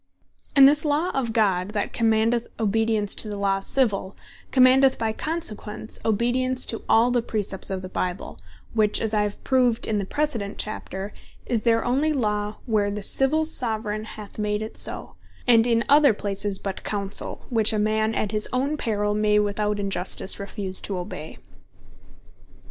And this Law of God, that commandeth Obedience to the Law Civill, commandeth by consequence Obedience to all the Precepts of the Bible, which (as I have proved in the precedent Chapter) is there onely Law, where the Civill Soveraign hath made it so; and in other places but Counsell; which a man at his own perill, may without injustice refuse to obey.